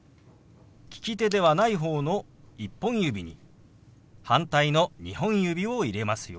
利き手ではない方の１本指に反対の２本指を入れますよ。